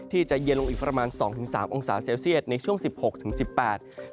ที่จะเย็นลงอีกประมาณ๒๓องศาเซลเซียตในช่วง๑๖๑๘องศาเซียต